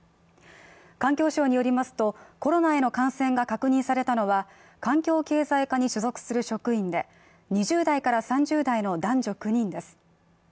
環境省によりますと、コロナへの感染が確認されたのは環境経済課に所属する職員で２０代から３０代の男女９人です。